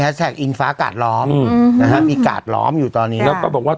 แท็กอิงฟ้ากาดล้อมอืมนะฮะมีกาดล้อมอยู่ตอนนี้แล้วก็บอกว่า